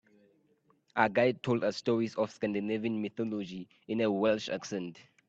Our guide told us stories of Scandinavian mythology in a Welsh accent.